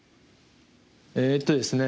えっとですね